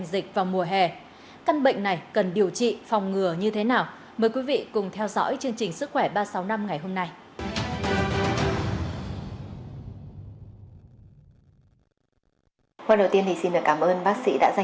xin cảm ơn bác sĩ đã dành thời gian cho chương trình sức khỏe ba trăm sáu mươi năm